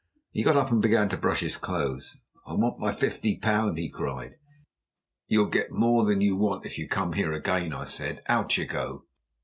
He got up and began to brush his clothes. "I want my fifty pound," he cried. "You'll get more than you want if you come here again," I said. "Out you go!"